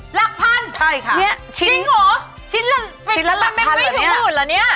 หลักพันธุ์จริงเหรอชิ้นละเป็นแมงกุ้ยถึงหมื่นเหรอเนี่ย